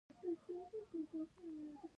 ټپي ته باید د ملګرتیا قوت ورکړو.